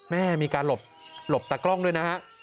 แม่มีการหลบหลบตากล้องด้วยนะครับ